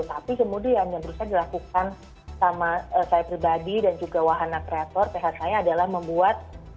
tapi kemudian yang berusaha dilakukan sama saya pribadi dan juga wahana kreator ph saya adalah membuat